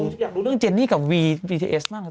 อยากรู้เรื่องเจนนี่กับวีทีเอสบ้าง